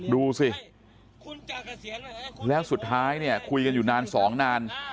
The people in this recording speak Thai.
ดูสิแล้วสุดท้ายเนี่ยคุยกันอยู่นานสองนาน